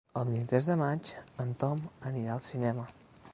El vint-i-tres de maig en Tom anirà al cinema.